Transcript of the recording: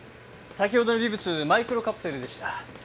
先ほどの微物マイクロカプセルでした。